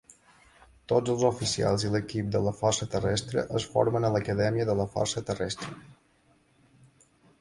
Tots els oficials i l'equip de la Força Terrestre es formen a l'Acadèmia de la Força Terrestre.